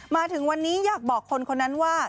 มาถึงวันนี้อยากบอกคนคนนั้นว่า